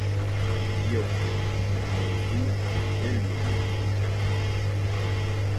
Yô e ne évîne, élurélur.